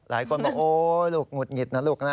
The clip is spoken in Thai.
หลายคนบอกโอ้ลูกหงุดหงิดนะลูกนะ